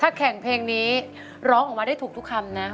แข่งเพลงนี้ร้องออกมาได้ถูกทุกคำนะ